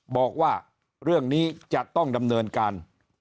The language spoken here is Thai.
บอกว่าเรื่องนี้จะต้องดำเนินการ